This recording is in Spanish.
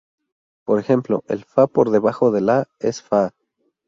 Por ejemplo, el "fa" por debajo de "la" es "fa".